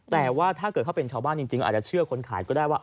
แต่ว่าถ้าเกิดเขาเป็นชาวบ้านจริงอาจจะเชื่อคนขายก็ได้ว่า